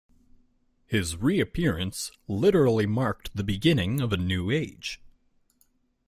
His reappearance literally marked the beginning of a new age.